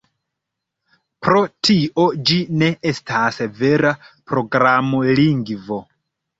Pro tio ĝi ne estas vera programlingvo.